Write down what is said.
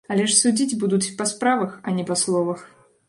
Але ж судзіць будуць па справах, а не па словах.